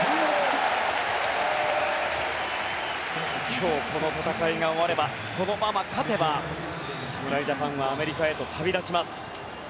今日、この戦いが終わればこのまま勝てば侍ジャパンはアメリカへと旅立ちます。